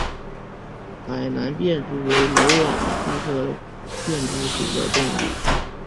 海南便蛛为缕网蛛科便蛛属的动物。